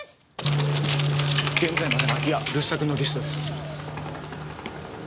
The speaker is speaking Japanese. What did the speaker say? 現在までの空き家留守宅のリストです。